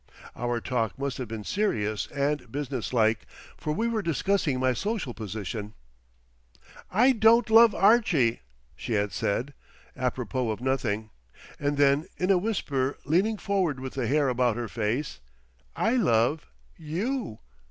Our talk must have been serious and business like, for we were discussing my social position. "I don't love Archie," she had said, apropos of nothing; and then in a whisper, leaning forward with the hair about her face, "I love _you!